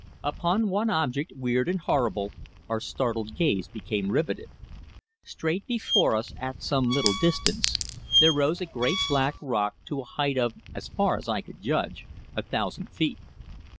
Upon one object, weird and horrible, our startled gaze became rivetted. Straight before us, at some little distance, there rose a great black rock to a height of, as far as I could judge, a thousand feet.